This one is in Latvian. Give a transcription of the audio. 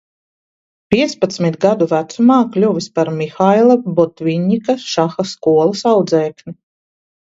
Piecpadsmit gadu vecumā kļuvis par Mihaila Botviņņika šaha skolas audzēkni.